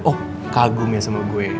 oh kagum ya sama gue